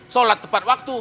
solat tepat waktu